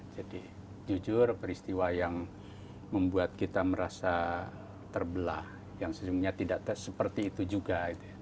jadi jujur peristiwa yang membuat kita merasa terbelah yang sejujurnya tidak seperti itu juga